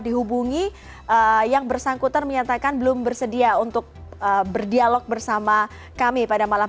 dihubungi yang bersangkutan menyatakan belum bersedia untuk berdialog bersama kami pada malam